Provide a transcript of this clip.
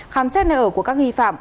khám xét nơi ở của các nghi phạm